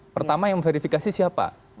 pertama yang verifikasi siapa